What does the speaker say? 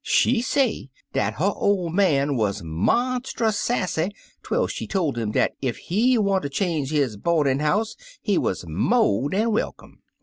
She say dat her ol' man wuz monstus sassy twel she tol' 'im dat ef he wanter change his boardin' house he wuz mo' dan welcome.